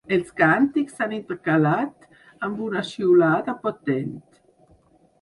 Els càntics s’han intercalat amb una xiulada potent.